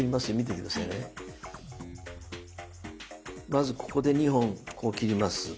まずここで２本こう切ります。